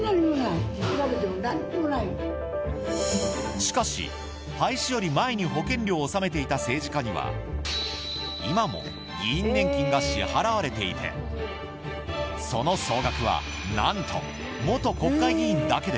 しかし、廃止より前に保険料を納めていた政治家には今も議員年金が支払われていてその総額は何と元国会議員だけで